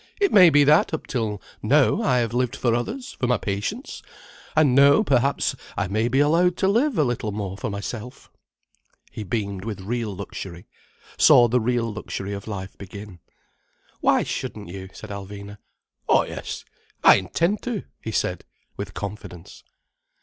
"It may be that up till now I have lived for others, for my patients. And now perhaps I may be allowed to live a little more for myself." He beamed with real luxury, saw the real luxury of life begin. "Why shouldn't you?" said Alvina. "Oh yes, I intend to," he said, with confidence.